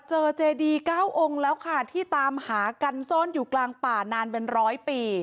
เจดีเก้าองค์แล้วค่ะที่ตามหากันซ่อนอยู่กลางป่านานเป็นร้อยปี